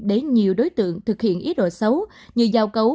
để nhiều đối tượng thực hiện ý đồ xấu như giao cấu